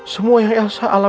semua yang elsa alamin sekarang